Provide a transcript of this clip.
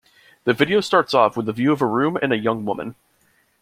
The video starts off with a view of a room and a young woman.